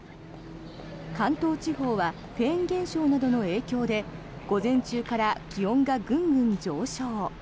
関東地方はフェーン現象などの影響で午前中から気温がグングン上昇。